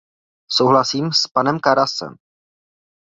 Souhlasím s panem Karasem.